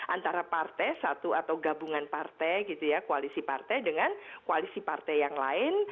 antara partai satu atau gabungan partai gitu ya koalisi partai dengan koalisi partai yang lain